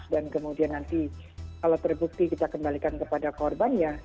dan kemudian nanti kalau terbukti kita kembalikan kepada korban